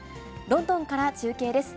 ロンドンから中継です。